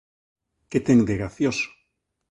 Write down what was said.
Que ten de gracioso